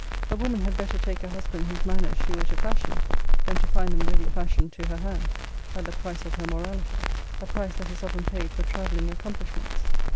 A woman had better take a husband whose manners she were to fashion, than to find them ready fashioned to her hand, at the price of her morality; a price that is often paid for travelling accomplishments.